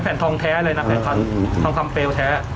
พันธรรพันธาร